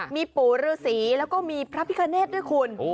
มีปู่ฤษีแล้วก็มีพระพิคเนธด้วยคุณ